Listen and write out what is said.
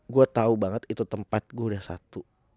gue tau banget itu tempat gue udah satu